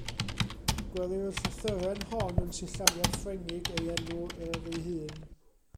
Gwelir y llythyren hon yn sillafiad Ffrengig ei enw ef ei hun.